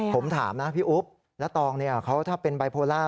ผมถามนะพี่อุ๊บแล้วตองเนี่ยเขาถ้าเป็นบายโพล่า